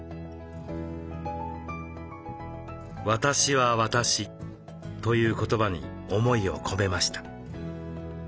「私は私」という言葉に思いを込めました。